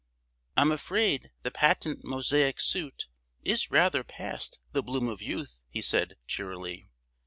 "I'm afraid the Patent Mosaic Suit is rather past the bloom of youth," he said, cheerily.